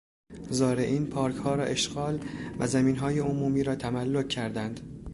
زارعین پارکها را اشغال و زمینهای عمومی را تملک کردند.